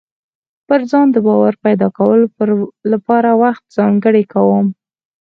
پر ځان د باور پيدا کولو لپاره وخت ځانګړی کوم.